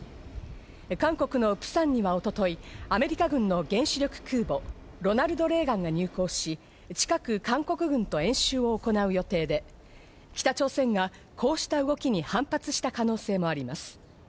韓国のプサンには一昨日、アメリカ軍の原子力空母「ロナルド・レーガン」が入港し、近く韓国軍と演習を行う予定で、北朝鮮がこうした動きに反発した可能性もあります。